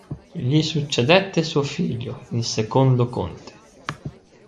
Gli succedette suo figlio, il secondo conte.